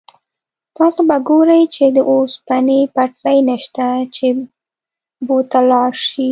تاسو به ګورئ چې د اوسپنې پټلۍ نشته چې بو ته لاړ شئ.